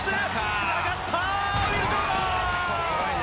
繋がった、ウィル・ジョーダン！